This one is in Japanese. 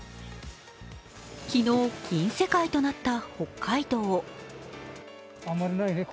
昨日、銀世界となった北海道。